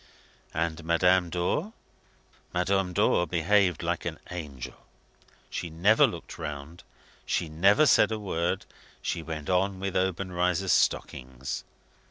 And Madame Dor? Madame Dor behaved like an angel. She never looked round; she never said a word; she went on with Obenreizer's stockings.